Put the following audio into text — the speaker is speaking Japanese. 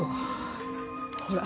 ほら。